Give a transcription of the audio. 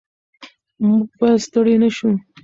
موږ باید ستړي نه شو.